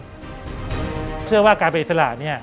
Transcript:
ผมเชื่อว่าการไปอิสระนี่